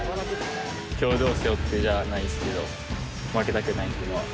郷土を背負ってじゃないですけど負けたくないっていうのは。